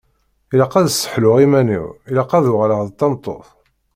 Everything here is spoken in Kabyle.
Ilaq ad sseḥluɣ iman-iw, ilaq ad uɣaleɣ d tameṭṭut.